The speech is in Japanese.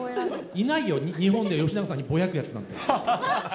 いないよ、日本で吉永さんにぼやくやつなんて。